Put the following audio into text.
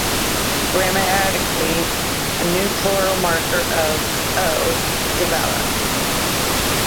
Grammatically, a new plural marker of -"o" developed.